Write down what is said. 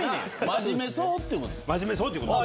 真面目そうってこと。